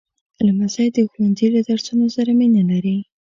لمسی د ښوونځي له درسونو سره مینه لري.